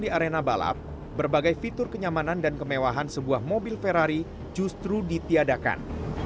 di arena balap berbagai fitur kenyamanan dan kemewahan sebuah mobil ferrari justru ditiadakan